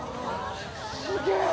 すげえ！